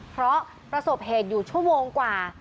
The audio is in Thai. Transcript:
เพราะประสบเหตุอยู่ชั่วโมงกว่า